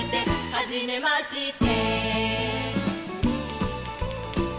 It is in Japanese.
「はじめまして」